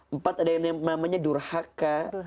empat ada yang namanya durhaka